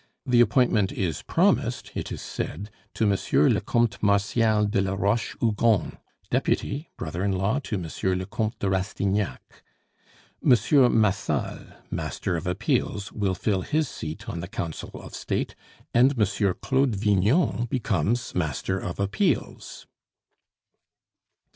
The appointment is promised, it is said, to Monsieur le Comte Martial de la Roche Hugon, Deputy, brother in law to Monsieur le Comte de Rastignac. Monsieur Massol, Master of Appeals, will fill his seat on the Council of State, and Monsieur Claude Vignon becomes Master of Appeals."